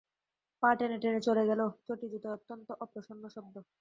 পা টেনে টেনে চলে গেল, চটিজুতোয় অত্যন্ত অপ্রসন্ন শব্দ।